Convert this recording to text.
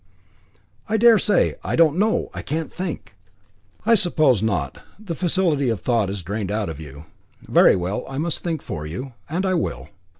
"I dare say. I don't know. I can't think." "I suppose not; the faculty of thought is drained out of you. Very well, I must think for you, and I will.